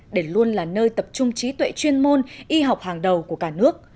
để luôn là nơi tập trung trí tuệ chuyên môn y học hàng đầu của cả nước